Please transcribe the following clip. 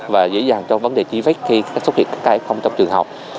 và dễ dàng cho vấn đề chi vết khi xuất hiện các kf trong trường học